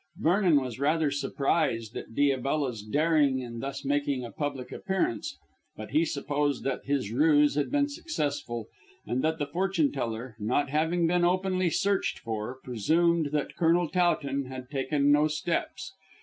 Vernon was rather surprised at Diabella's daring in thus making a public appearance, but he supposed that his ruse had been successful, and that the fortune teller, not having been openly searched for, presumed that Colonel Towton had taken no steps.